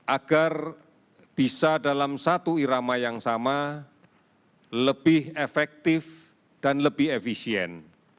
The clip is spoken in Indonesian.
agar bisa dalam satu irama yang sama lebih efektif dan lebih efisien